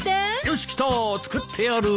よしきた！作ってやる。